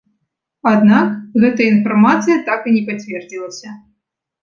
Аднак, гэтая інфармацыя так і не пацвердзілася.